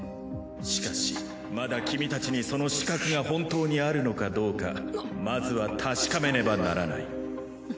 しかしまだ君たちにその資格が本当にあるのかどうかまずは確かめねばならない。